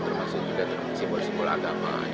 termasuk juga simbol simbol agama